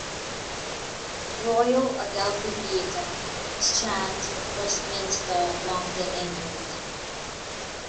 Royal Adelphi Theatre, Strand, Westminster, London, England.